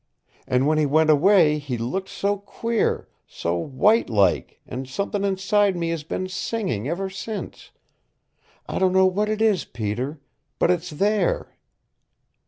And when he went away he looked so queer so white like and somethin' inside me has been singing ever since. I don't know what it is, Peter. But it's there!"